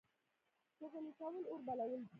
چغلي کول اور بلول دي